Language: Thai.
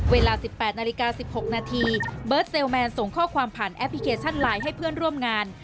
เวลา๑๘นาฬิกา๑๖นาทีเบิร์ตเซลแมนส่งข้อความผ่านแอปพลิเคชันไลน์ให้เพื่อนร่วมงาน